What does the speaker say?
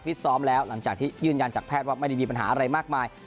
ซ้อมแล้วหลังจากที่ยืนยันจากแพทย์ว่าไม่ได้มีปัญหาอะไรมากมาย